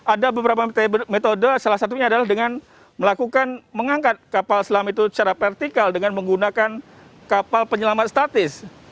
ada beberapa metode salah satunya adalah dengan melakukan mengangkat kapal selam itu secara vertikal dengan menggunakan kapal penyelamat statis